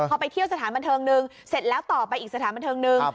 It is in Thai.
พอไปเที่ยวสถานบันเทิงนึงเสร็จแล้วต่อไปอีกสถานบันเทิงนึง